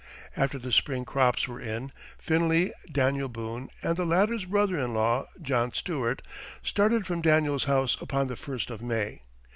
After the spring crops were in, Finley, Daniel Boone, and the latter's brother in law, John Stuart, started from Daniel's house upon the first of May.